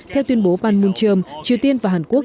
theo tuyên bố panmunjom triều tiên và hàn quốc